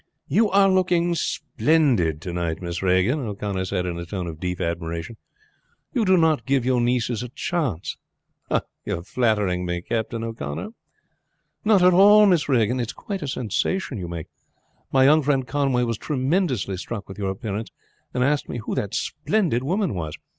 "You are looking splendid to night, Miss Regan," O'Connor said in a tone of deep admiration. "You do not give your nieces a chance." "Ah! you are flattering me, Captain O'Connor." "Not at all, Miss Regan; it's quite a sensation you make. My young friend Conway was tremendously struck with your appearance, and asked me who that splendid woman was."